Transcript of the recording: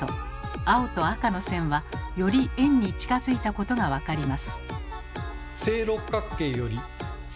青と赤の線はより円に近づいたことが分かります。